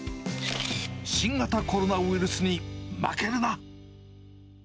新型コロナウイルスに負けるな！